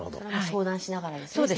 相談しながらですね先生と。